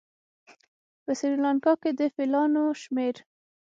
په سریلانکا کې د فیلانو شمېر